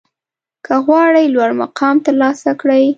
که غواړئ لوړ مقام ترلاسه کړئ